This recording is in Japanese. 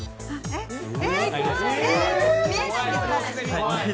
えっ、見えないんですか、私。